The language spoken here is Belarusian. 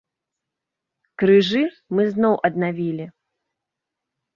Крыжы мы зноў аднавілі.